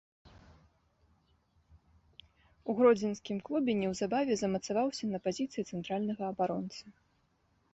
У гродзенскім клубе неўзабаве замацаваўся на пазіцыі цэнтральнага абаронцы.